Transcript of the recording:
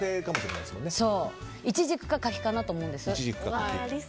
いちじくか柿かなと思うんです。